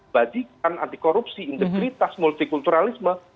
bajikan anti korupsi integritas multikulturalisme